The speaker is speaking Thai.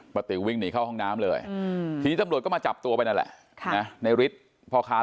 ติววิ่งหนีเข้าห้องน้ำเลยทีนี้ตำรวจก็มาจับตัวไปนั่นแหละในฤทธิ์พ่อค้า